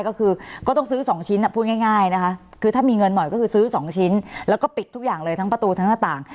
ก็คือก็ต้องซื้อ๒ชิ้นพูดง่ายนะคะคือถ้ามีเงินหน่อยก็คือซื้อ๒ชิ้นแล้วก็ปิดทุกอย่างเลยทั้งประตูทั้งหน้าต่าง